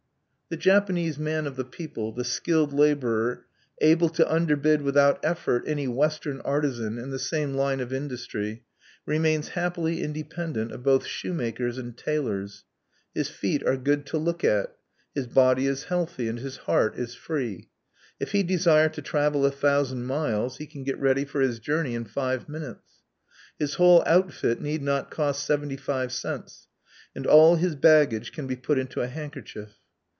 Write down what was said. The Japanese man of the people the skilled laborer able to underbid without effort any Western artisan in the same line of industry remains happily independent of both shoemakers and tailors. His feet are good to look at, his body is healthy, and his heart is free. If he desire to travel a thousand miles, he can get ready for his journey in five minutes. His whole outfit need not cost seventy five cents; and all his baggage can be put into a handkerchief.